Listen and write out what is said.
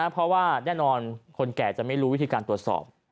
เพราะว่าแน่นอนคนแก่จะไม่รู้วิธีการตรวจสอบ